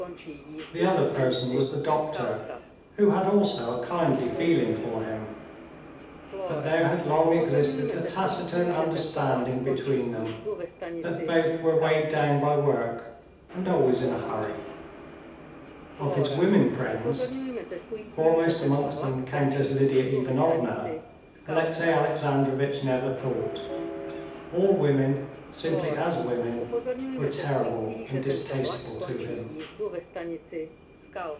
The other person was the doctor, who had also a kindly feeling for him; but there had long existed a taciturn understanding between them that both were weighed down by work, and always in a hurry. Of his women friends, foremost amongst them Countess Lidia Ivanovna, Alexey Alexandrovitch never thought. All women, simply as women, were terrible and distasteful to him.